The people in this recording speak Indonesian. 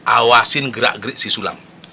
awasin gerak gerik si sulam